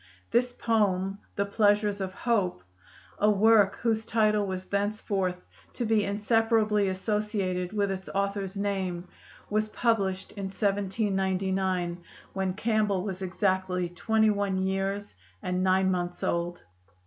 This poem, 'The Pleasures of Hope,' a work whose title was thenceforth to be inseparably associated with its author's name, was published in 1799, when Campbell was exactly twenty one years and nine months old.